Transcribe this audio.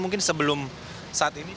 mungkin sebelum saat ini